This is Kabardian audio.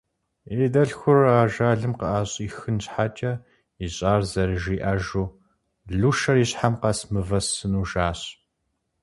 И дэлъхур ажалым къыӏэщӏихын щхьэкӏэ ищӏар зэрыжиӏэжу, Лушэр и щхьэм къэс мывэ сыну жащ.